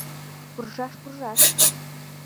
Куржаш, куржаш!..